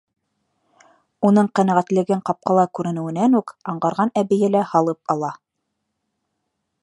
Уның ҡәнәғәтлеген ҡапҡала күренеүенән үк аңғарған әбейе элә һалып ала: